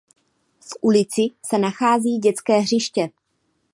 V ulici se nachází dětské hřiště.